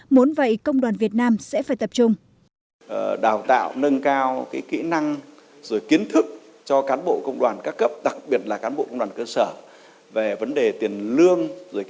muốn vậy công đoàn việt nam sẽ phải tập trung